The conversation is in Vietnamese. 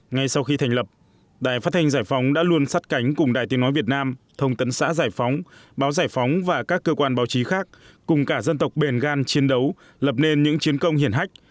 ngay sau khi thành lập đài phát thanh giải phóng đã luôn sát cánh cùng đài tiếng nói việt nam thông tấn xã giải phóng báo giải phóng và các cơ quan báo chí khác cùng cả dân tộc bền gan chiến đấu lập nên những chiến công hiển hách